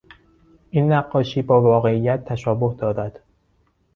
این نقاشی با واقعیت تشابه دارد.